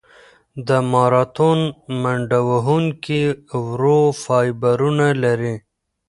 د ماراتون منډهوهونکي ورو فایبرونه لري.